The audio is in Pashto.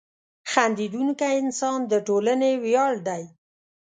• خندېدونکی انسان د ټولنې ویاړ دی.